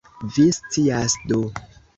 Vi scias do?